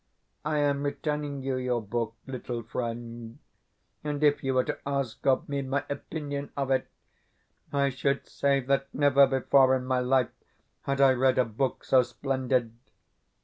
I am returning you your book, little friend; and, if you were to ask of me my opinion of it, I should say that never before in my life had I read a book so splendid.